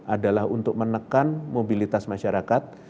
adalah untuk menekan mobilitas masyarakat